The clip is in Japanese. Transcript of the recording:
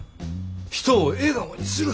人を笑顔にする。